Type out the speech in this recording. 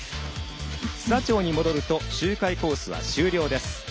須田町に戻ると周回コースは終了です。